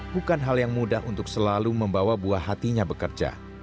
bukan hal yang mudah untuk selalu membawa buah hatinya bekerja